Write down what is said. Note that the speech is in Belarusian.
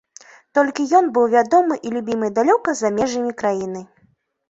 Толькі ён быў вядомы і любімы далёка за межамі краіны.